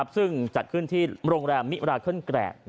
ซึ่งจัดขึ้นที่โรงแรมมิราเคิลแกรก